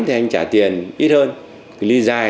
thì anh trả tiền ít hơn cái lý dài